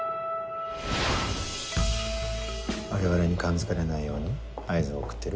我々に感づかれないように合図を送ってる？